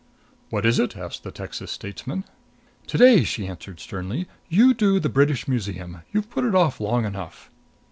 "What is it?" asked the Texas statesman. "To day," she answered sternly, "you do the British Museum. You've put it off long enough."